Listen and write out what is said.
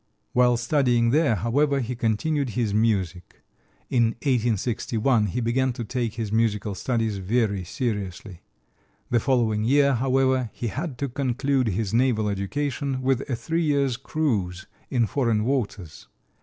While studying there, however, he continued his music. In 1861 he began to take his musical studies very seriously. The following year, however, he had to conclude his naval education with a three years' cruise in foreign waters.